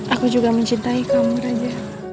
aku juga mencintai kaum raja